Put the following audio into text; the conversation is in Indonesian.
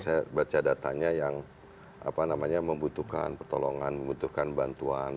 saya baca datanya yang membutuhkan pertolongan membutuhkan bantuan